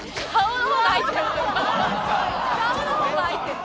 顔の方が入ってる。